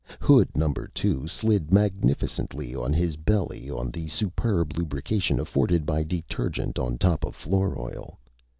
Hood number two slid magnificently on his belly on the superb lubrication afforded by detergent on top of floor oil.